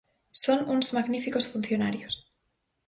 Son uns magníficos funcionarios.